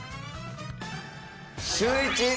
シューイチ！